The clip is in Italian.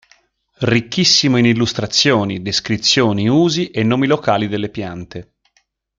Ricchissimo in illustrazioni, descrizioni, usi e nomi locali delle piante.